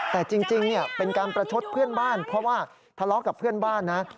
แต่จริงเป็นการประชดเพื่อนบ้านเพราะว่าทะเลาะกับเพื่อนบ้านนะ